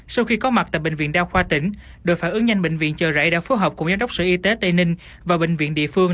sau khi có mặt tại bệnh viện đa khoa tỉnh đội phản ứng nhanh bệnh viện chợ rẫy đã phối hợp cùng giám đốc sở y tế tây ninh và bệnh viện địa phương